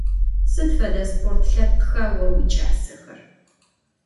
Sıd fede sport lhepkha vo vuiç'aser?